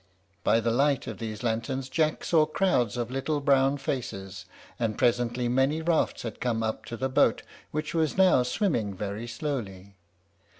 By the light of these lanterns Jack saw crowds of little brown faces; and presently many rafts had come up to the boat, which was now swimming very slowly.